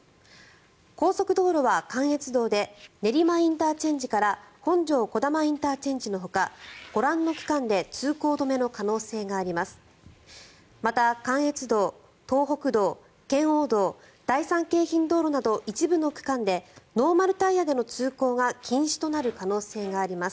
高速道路は関越道で練馬ＩＣから本庄児玉ＩＣのほかご覧の区間で通行止めの可能性があります。